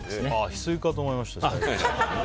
ヒスイかと思いました。